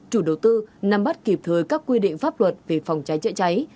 chủ đầu tư nắm bắt kịp thời các quy định pháp luật về phòng cháy chữa cháy